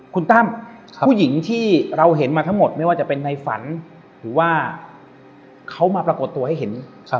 คุณตั้มผู้หญิงที่เราเห็นมาทั้งหมดไม่ว่าจะเป็นในฝันหรือว่าเขามาปรากฏตัวให้เห็น